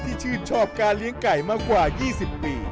ชื่นชอบการเลี้ยงไก่มากว่า๒๐ปี